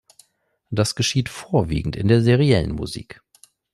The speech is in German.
Das geschieht vorwiegend in der seriellen Musik.